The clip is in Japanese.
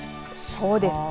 そうですね。